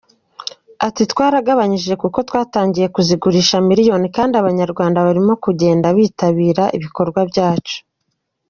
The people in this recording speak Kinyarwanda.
Ati “Twaragabanyije kuko twatangiye tuzigurisha miliyoni, kandi Abanyarwanda barimo kugenda bitabira ibikorwa byacu.